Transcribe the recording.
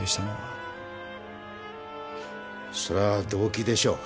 そりゃあ動機でしょう。